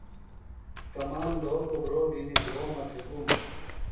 کمال لھوکوۡ بُھروۡ گِھنیۡ گُھرومہ تھےۡ ۡ گُوم۔